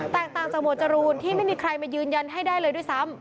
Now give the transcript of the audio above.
ต่างจากหมวดจรูนที่ไม่มีใครมายืนยันให้ได้เลยด้วยซ้ำ